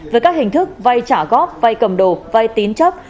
với các hình thức vay trả góp vay cầm đồ vay tín chấp